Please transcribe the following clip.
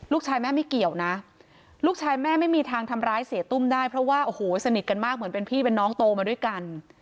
ลูกชายแม่ไม่เกี่ยวนะลูกชายแม่ไม่มีทางทำร้ายเสียตุ้มได้เพราะว่าโอ้โหสนิทกันมากเหมือนเป็นพี่เป็นน้องโตมาด้วยกัน